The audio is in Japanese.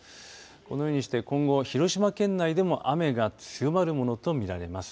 このようにして、今後は広島県内でも雨が強まるものと見られます。